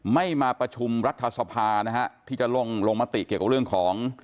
ไม่มาประชุมรัฐสภานะฮะที่จะลงลงมติเกี่ยวกับเรื่องของ